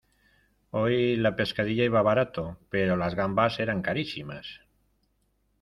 Hoy la pescadilla iba barato, pero las gambas eran carísimas.